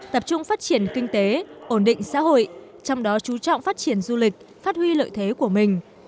tập trung phát triển kinh tế ổn định xã hội trong đó chú trọng phát triển du lịch phát huy lợi thế của mình